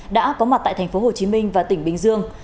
đã có mặt tại tp hcm và tỉnh bình dương